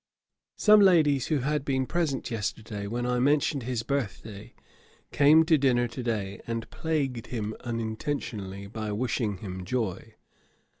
Some ladies, who had been present yesterday when I mentioned his birth day, came to dinner to day, and plagued him unintentionally, by wishing him joy.